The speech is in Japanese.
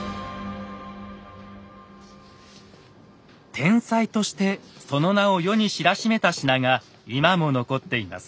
天才としてその名を世に知らしめた品が今も残っています。